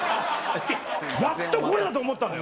やっと来れたと思ったのよ。